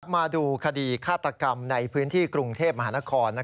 มาดูคดีฆาตกรรมในพื้นที่กรุงเทพมหานคร